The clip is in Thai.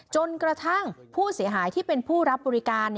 จนกระทั่งผู้เสียหายที่เป็นผู้รับบริการ